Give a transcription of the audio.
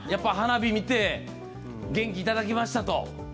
花火見て、元気いただきましたと。